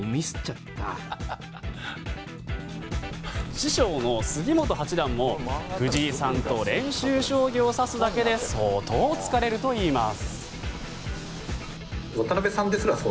師匠の杉本八段も藤井さんと練習将棋を指すだけで相当疲れるといいます。